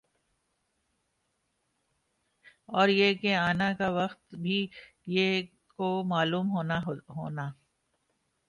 اور یِہ کا آنا کا وقت بھی یِہ کو معلوم ہونا ہونا